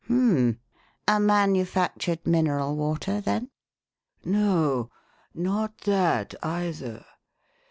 "Hum m m! A manufactured mineral water, then?" "No, not that, either.